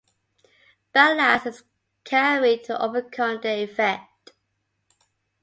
Ballast is carried to overcome the effect.